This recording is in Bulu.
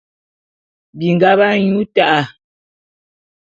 Binga b'anyu ta'a.